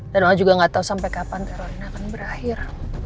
dan mama juga gak tau sampe kapan teror ini akan berakhir